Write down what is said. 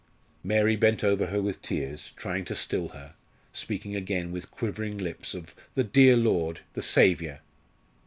Mary bent over her with tears, trying to still her, speaking again with quivering lips of "the dear Lord, the Saviour."